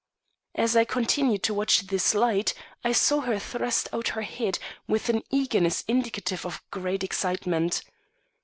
As I continued to watch this light, I saw her thrust out her head with an eagerness indicative of great excitement.